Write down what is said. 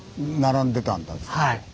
はい。